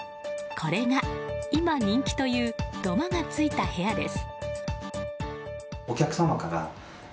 これが今人気という土間がついた部屋です。